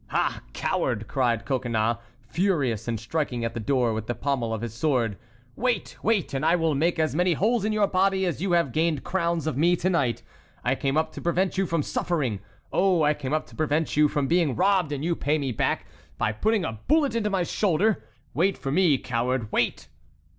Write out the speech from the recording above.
"Ah, coward!" cried Coconnas, furious, and striking at the door with the pommel of his sword; "wait! wait! and I will make as many holes in your body as you have gained crowns of me to night. I came up to prevent you from suffering! Oh, I came up to prevent you from being robbed and you pay me back by putting a bullet into my shoulder! Wait for me, coward, wait!"